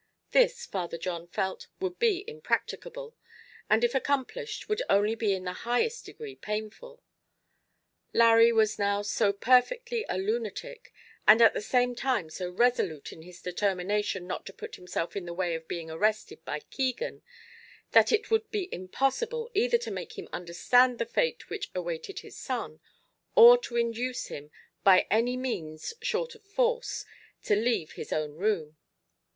This, Father John felt, would be impracticable, and if accomplished would only be in the highest degree painful. Larry was now so perfectly a lunatic, and at the same time so resolute in his determination not to put himself in the way of being arrested by Keegan, that it would be impossible either to make him understand the fate which awaited his son, or to induce him, by any means short of force, to leave his own room.